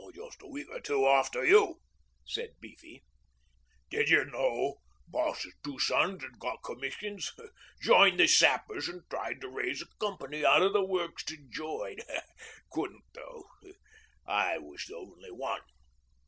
'Just a week or two after you,' said Beefy. 'Didjer know boss's two sons had got commissions? Joined the Sappers an' tried to raise a company out o' the works to join. Couldn't though. I was the only one.'